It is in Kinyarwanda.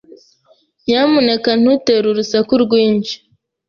Nyamuneka ntutere urusaku rwinshi.